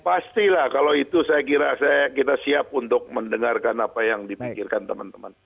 pastilah kalau itu saya kira kita siap untuk mendengarkan apa yang dipikirkan teman teman